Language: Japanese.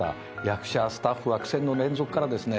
役者スタッフは苦戦の連続からですね